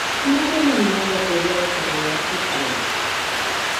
Su madre le animó y apoyó a desarrollar su talentos.